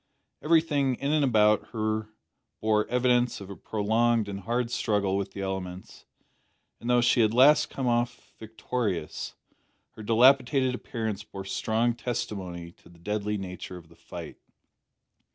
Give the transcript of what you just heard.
Everything in and about her bore evidence of a prolonged and hard struggle with the elements, and though she had at last come off victorious, her dilapidated appearance bore strong testimony to the deadly nature of the fight.